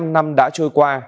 bốn mươi năm năm đã trôi qua